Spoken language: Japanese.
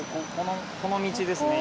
この道ですね